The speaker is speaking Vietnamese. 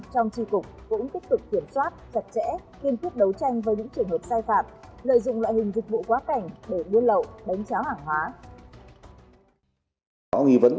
tri cục cũng tiếp tục kiểm soát chặt chẽ kiên quyết đấu tranh với những trường hợp sai phạm